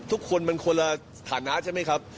ทุกคนมันคนละฐานะใช่ไหมครับ